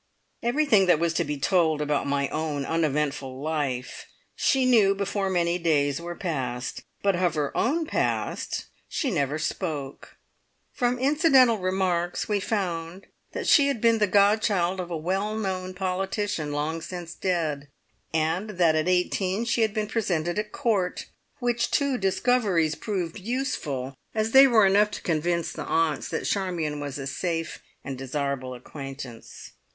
Everything that was to be told about my own uneventful life she knew before many days were passed, but of her own past she never spoke. From incidental remarks we found that she had been the godchild of a well known politician long since dead, and that at eighteen she had been presented at Court, which two discoveries proved useful, as they were enough to convince the aunts that Charmion was a safe and desirable acquaintance.